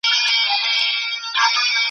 نن به ښه کیسه توده وي د پردي قاتل په کور کي `